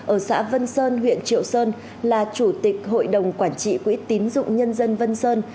ở xã vân sơn huyện triệu sơn là chủ tịch hội đồng quản trị quỹ tín dụng nhân dân vân sơn